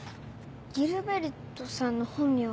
ギルベルトさんの本名は。